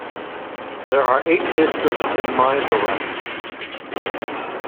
There are eight districts in Mizoram.